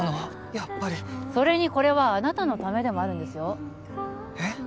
やっぱりそれにこれはあなたのためでもあるんですよえっ？